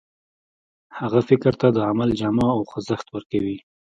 هغه فکر ته د عمل جامه او خوځښت ورکوي.